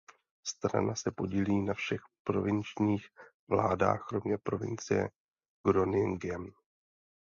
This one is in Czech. Strana se podílí na všech provinčních vládách kromě provincie Groningen.